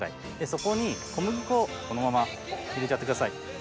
そこに小麦粉をこのまま入れちゃってください。